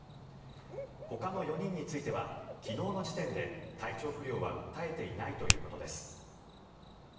ほかの４人については昨日の時点で体調不良は訴えていないということです。